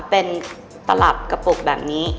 เป็นตลับกระปุกแบบนี้